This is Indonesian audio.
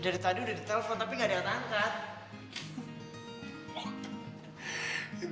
dari tadi udah di telepon tapi gak ada yang tangkat